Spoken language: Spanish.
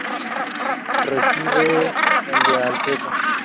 Recibe el de "Alteza".